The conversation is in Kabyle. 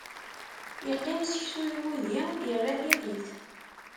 Iqqim seksu d wudi, irra tiqit.